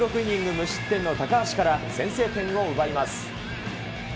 無失点の高橋から、先制点を奪います。